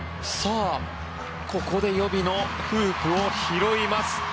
ここで予備のフープを拾います。